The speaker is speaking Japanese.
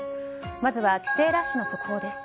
まずは帰省ラッシュの速報です。